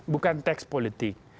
bukan teks politik